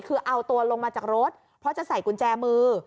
คือเอาตัวลงมาจากรถเพราะจะใส่กุญแจมือ